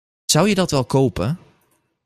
Zou je dat wel kopen?